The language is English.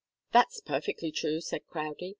"That's perfectly true," said Crowdie.